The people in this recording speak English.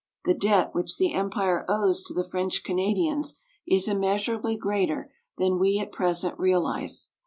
The debt which the empire owes to the French Canadians is immeasurably greater than we at present realize.